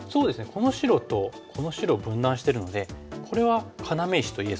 この白とこの白を分断してるのでこれは要石と言えそうですね。